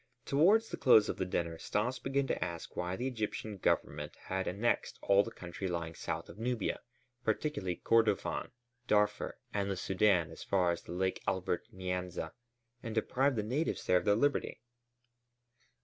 Towards the close of the dinner Stas began to ask why the Egyptian Government had annexed all the country lying south of Nubia, particularly Kordofân, Darfur, and the Sudân as far as Lake Albert Nyanza and deprived the natives there of their liberty.